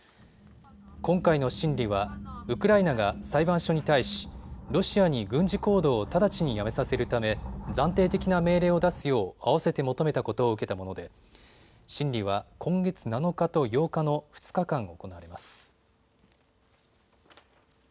今回の審理はウクライナが裁判所に対し、ロシアに軍事行動を直ちにやめさせるため暫定的な命令を出すようあわせて求めたことを受けたもので審理は今月７日と８日の２日間行われます。